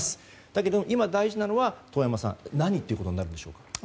だけども今大事なのは遠山さん、何ということになるんでしょうか。